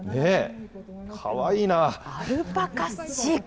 かわいいなあ。